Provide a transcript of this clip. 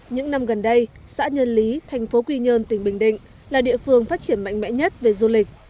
những năm gần đây xã nhân lý thành phố quy nhơn tỉnh bình định là địa phương phát triển mạnh mẽ nhất về du lịch